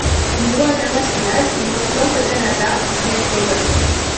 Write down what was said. Au niveau international, il représente le Canada en sélection jeune.